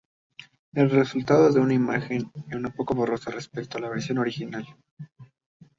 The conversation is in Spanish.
El resultado es una imagen un poco borrosa respecto a la versión original.